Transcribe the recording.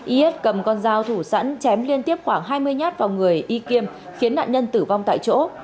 y s cầm con dao thủ sẵn chém liên tiếp khoảng hai mươi nhát vào người y kiem khiến nạn nhân tử vong tại chỗ